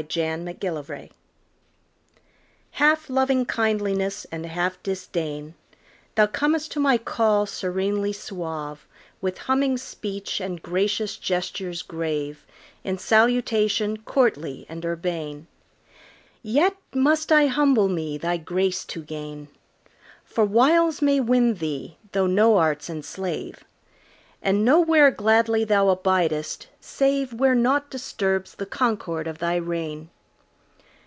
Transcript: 1860 To My Cat HALF loving kindliness and half disdain, Thou comest to my call serenely suave, With humming speech and gracious gestures grave, In salutation courtly and urbane; Yet must I humble me thy grace to gain, For wiles may win thee though no arts enslave, And nowhere gladly thou abidest saveWhere naught disturbs the concord of thy reign.